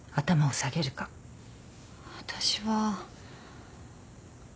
私は。